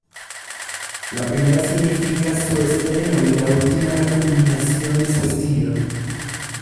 La primera significaba su estreno y la última la culminación de su estilo.